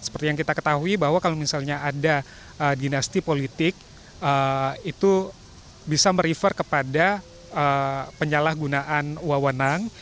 seperti yang kita ketahui bahwa kalau misalnya ada dinasti politik itu bisa merefer kepada penyalahgunaan wawonang